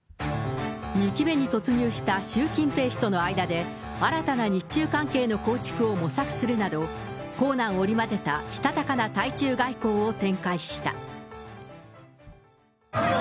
２期目に突入した習近平氏との間で、新たな日中関係の構築を模索するなど、硬軟織り交ぜたしたたかな対中外交を展開した。